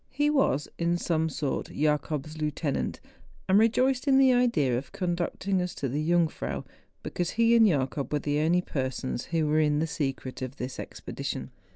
He was, in some sort, Jacob's lieutenant, and rejoiced in tlie idea of conducting us to the Jungfrau, be¬ cause he and Jacob were the only persons who were in the secret of this expedition.